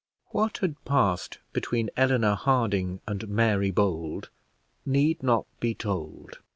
What had passed between Eleanor Harding and Mary Bold need not be told.